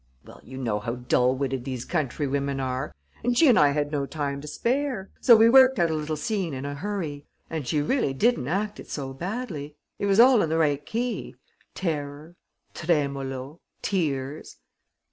"Well, you know how dull witted these countrywomen are. And she and I had no time to spare. So we worked out a little scene in a hurry ... and she really didn't act it so badly. It was all in the right key: terror, tremolo, tears...."